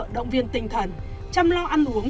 động viên tinh thần chăm lo ăn uống